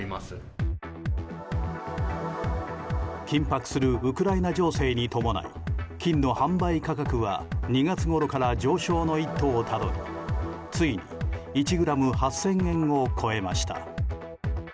緊迫するウクライナ情勢に伴い金の販売価格は２月ごろから上昇の一途をたどりついに１ｇ８０００円を超えました。